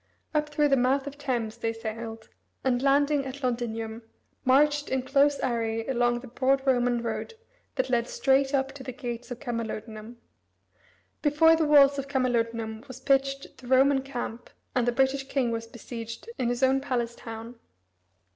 Up through the mouth of Thames they sailed, and landing at Londinium, marched in close array along the broad Roman road that led straight up to the gates of Camalodunum. Before the walls of Camalodunum was pitched the Roman camp, and the British king was besieged in his own palace town.